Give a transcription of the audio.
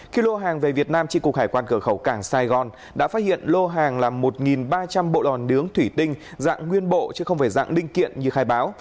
khi lô hàng về việt nam tri cục hải quan cửa khẩu cảng sài gòn đã phát hiện lô hàng là một ba trăm linh bộ lò nướng thủy tinh dạng nguyên bộ chứ không phải dạng linh kiện như khai báo